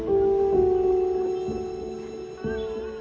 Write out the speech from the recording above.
berjualan pisang ketika berusia dua belas tahun